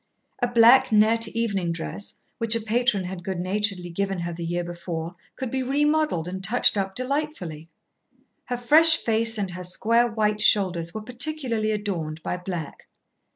A black net evening dress, which a patron had good naturedly given her the year before, could be remodelled and touched up delightfully. Her fresh face and her square white shoulders were particularly adorned by black.